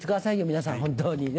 皆さん本当にね。